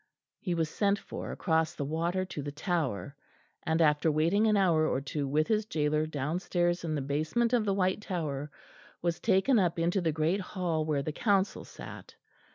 He was sent for across the water to the Tower, and after waiting an hour or two with his gaoler downstairs in the basement of the White Tower, was taken up into the great Hall where the Council sat.